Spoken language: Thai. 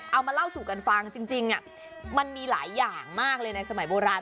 เอามาเล่าสู่กันฟังจริงมันมีหลายอย่างมากเลยในสมัยโบราณ